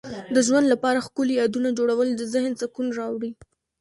د ژوند لپاره ښکلي یادونه جوړول د ذهن سکون راوړي.